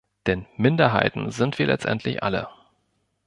Denn Minderheiten sind wir letztendlich alle.